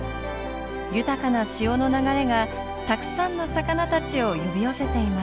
豊かな潮の流れがたくさんの魚たちを呼び寄せていました。